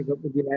jual kebun bunga